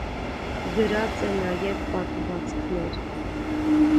Գրած է նաեւ պատմուածքներ։